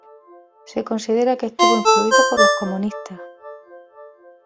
Se considera que estuvo influido por los comunistas.